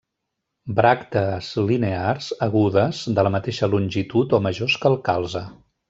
Bràctees linears, agudes, de la mateixa longitud o majors que el calze.